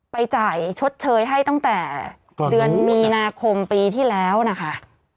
ไปจ่ายชดเชยให้ตั้งแต่เดือนมีนาคมปีที่แล้วนะคะ